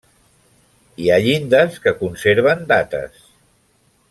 Hi ha llindes que conserven dates.